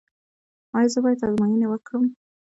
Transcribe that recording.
ایا زه باید ازموینې وکړم؟